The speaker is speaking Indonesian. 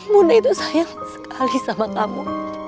bunda itu sayang sekali sama tamu